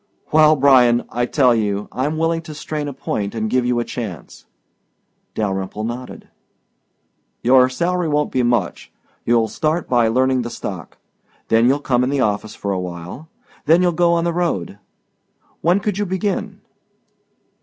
"Well, Bryan, I tell you, I'm willing to strain a point and give you a chance." Dalyrimple nodded. "Your salary won't be much. You'll start by learning the stock. Then you'll come in the office for a while. Then you'll go on the road. When could you begin?"